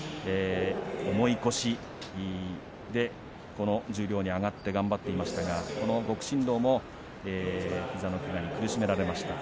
重い腰で十両に上がって頑張っていましたが極芯道も膝のけがに苦しめられました。